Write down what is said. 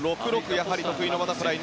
やはり得意のバタフライ。